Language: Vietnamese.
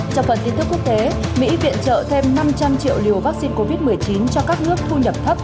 trong phần tin tức quốc tế mỹ viện trợ thêm năm trăm linh triệu liều vaccine covid một mươi chín cho các nước thu nhập thấp